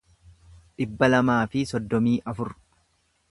dhibba lamaa fi soddomii afur